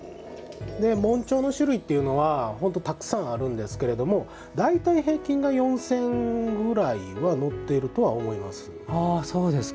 紋帳の種類というのは本当にたくさんあるんですけど大体、平均が４０００ぐらいは載っているとは思います。